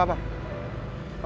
oke pak budi